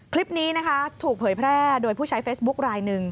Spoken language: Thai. คลิปนี้นะคะถูกเผยแพร่โดยผู้ใช้เฟซบุ๊คลายหนึ่ง